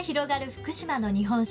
福島の日本酒。